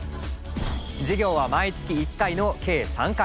授業は毎月１回の計３回。